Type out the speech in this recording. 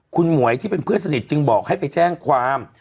คุณหมวยที่เป็นเพื่อนสนิทจึงบอกให้ไปแจ้งความ